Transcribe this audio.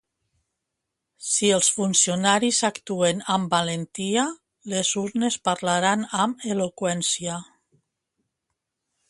Si els funcionaris actuen amb valentia, les urnes parlaran amb eloqüència.